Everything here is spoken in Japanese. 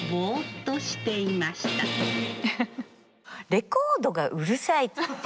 レコードがうるさいって。